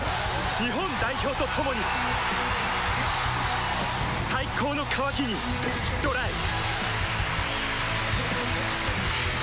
日本代表と共に最高の渇きに ＤＲＹ８